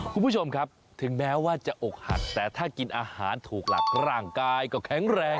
คุณผู้ชมครับถึงแม้ว่าจะอกหักแต่ถ้ากินอาหารถูกหลักร่างกายก็แข็งแรง